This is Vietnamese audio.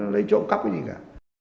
lấy trộm cắp gì cả